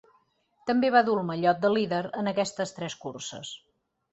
També va dur el mallot de líder en aquestes tres curses.